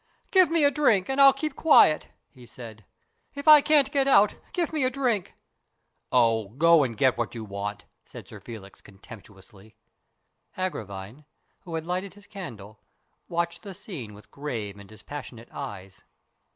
" Give me a drink and I'll keep quiet," he said. " If I can't get out, give me a drink." " Oh, go and get what you want," said Sir Felix, contemptuously. Agravine, who had lighted his candle, watched the scene with grave and dispassionate eyes.